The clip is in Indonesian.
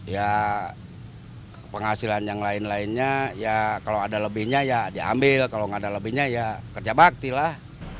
ya penghasilan yang lain lainnya ya kalau ada lebihnya ya diambil kalau nggak ada lebihnya ya kerja bakti lah